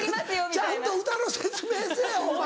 ちゃんと歌の説明せぇお前。